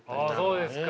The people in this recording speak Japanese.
そうですか。